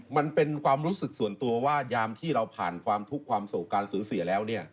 มันเป็นความรู้สึกส่วนตัวว่ายามที่เราผ่านความทุกข์ความโศกการสูญเสียแล้วเนี่ย